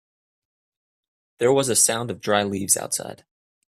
There was a sound of dry leaves outside.